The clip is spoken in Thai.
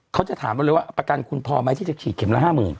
เขาจะถามเราเลยว่าประกันคุณพอไหมที่จะฉีดเข็มละ๕๐๐๐